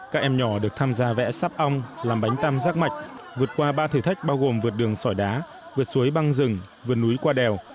các em nhỏ được tham gia vẽ sáp ong làm bánh tăm rác mạch vượt qua ba thử thách bao gồm vượt đường sỏi đá vượt suối băng rừng vượt núi qua đèo